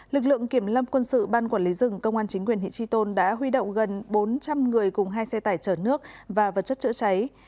lực lượng kiểm lâm quân sự ban quản lý rừng công an chính quyền huyện tri tôn đã huy động gần bốn trăm linh người cùng hai xe tải chở nước và vật chất chữa cháy